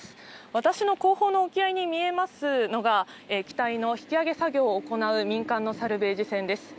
私の後方の沖合に見えますのが、機体の引き揚げ作業を行う民間のサルベージ船です。